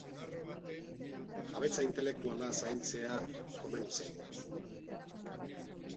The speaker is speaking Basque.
Jabetza intelektuala zaintzea komeni zaigu.